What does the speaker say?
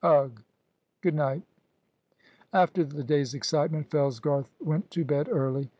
Ugh! good night." After the day's excitement Fellsgarth went to bed early.